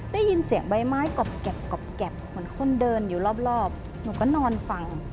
ได้ยินเสียงใบไม้กรอบเหมือนคนเดินอยู่รอบหนูก็นอนฟัง